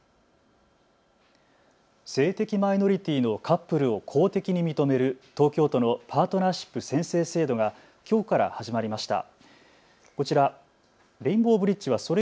性的マイノリティーのカップルを公的に認める東京都のパートナーシップ宣誓制度がきょうから始まりました。